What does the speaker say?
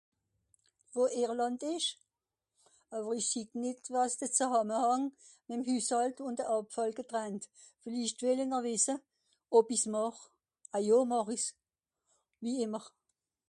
Où est l'Irlande ? Mais je ne vois pas le rapport entre l'Irlande et le tri sélectif , mais peut être voulez vous savoir si je fais le tri sélectif ; bien sûr que je le fait